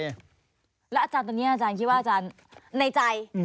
แล้วอาจารย์ตอนนี้อาจารย์คิดว่าอาจารย์ในใจ